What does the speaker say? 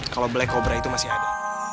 kalau black cobra itu masih ada